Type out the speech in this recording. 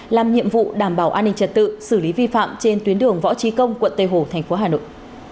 làm nhiệm vụ đảm bảo an ninh trật tự xử lý vi phạm trên tuyến đường võ trí công quận tây hồ thành phố hà nội